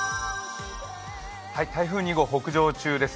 台風２号、北上中です。